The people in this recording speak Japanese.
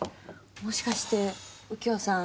もしかして右京さん。